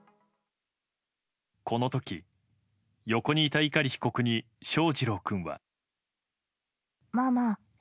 この時、横にいた碇被告に翔士郎君は。